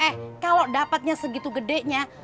eh kalau dapatnya segitu gedenya